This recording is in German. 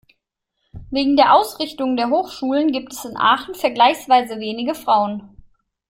Wegen der Ausrichtung der Hochschulen gibt es in Aachen vergleichsweise wenige Frauen.